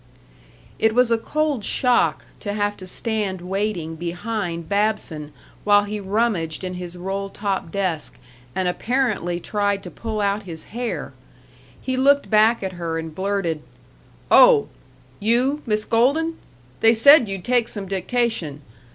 It was a cold shock to have to stand waiting behind Babson while he rummaged in his roll top desk and apparently tried to pull out his hair. He looked back at her and blurted, "Oh! You, Miss Golden? They said you'd take some dictation.